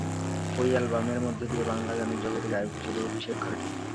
ওই অ্যালবামের মধ্য দিয়ে বাংলা গানের জগতে গায়ক হিসেবে অভিষেক ঘটে।